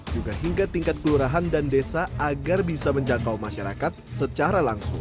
juga hingga tingkat kelurahan dan desa agar bisa menjangkau masyarakat secara langsung